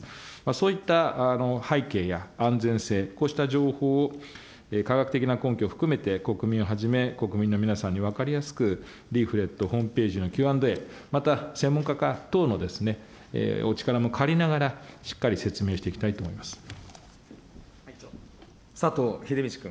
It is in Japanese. そういった背景や安全性、こうした情報を科学的な根拠を含めて、国民をはじめ、国民の皆さんに、分かりやすくリーフレット、ホームページのＱ＆Ａ、また専門家等のお力も借りながら、しっか佐藤英道君。